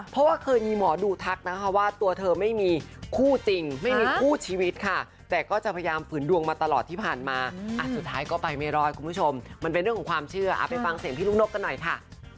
เพราะว่าเคยมีหมอดูทักนะคะว่าตัวเธอไม่มีคู่จริงไม่มีคู่ชีวิตค่ะแต่ก็จะพยายามฝืนดวงมาตลอดที่ผ่านมาสุดท้ายก็ไปไม่รอดคุณผู้ชมมันเป็นเรื่องของความเชื่อเอาไปฟังเสียงพี่ลูกนกกันหน่อยค่ะ